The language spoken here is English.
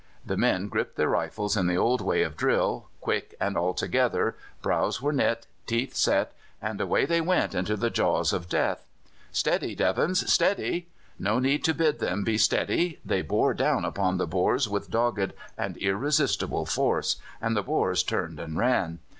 The men gripped their rifles in the old way of drill, quick and altogether, brows were knit, teeth set, and away they went into the jaws of death. "Steady, Devons, steady!" No need to bid them be steady. They bore down upon the Boers with dogged and irresistible force, and the Boers turned and ran.